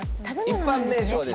一般名称です。